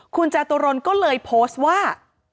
คุณจตุรนก็เลยโพสต์ว่า